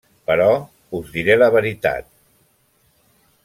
Però us diré la veritat.